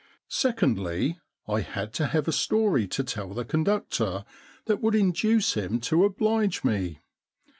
Secondly, I had to have a story to tell the conductor that would induce him to oblige me.